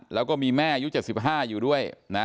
แล้วก็มีแม่ยุค๗๕อยู่ด้วย